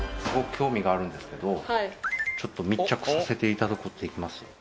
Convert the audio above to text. すごく興味があるんですけどちょっと密着させていただくことできます？